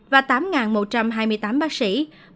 và tám một trăm hai mươi tám bác sĩ